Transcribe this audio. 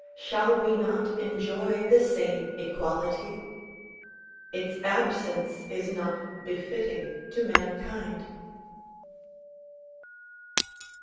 Shall we not enjoy the same equality? Its absence is not befitting to mankind.